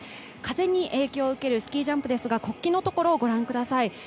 風に影響を受けるスキージャンプですが国旗のところを御覧ください。